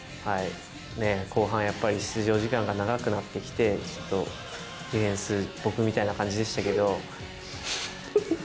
後半やっぱり、出場時間が長くなってきて、ちょっとディフェンス、間違いない。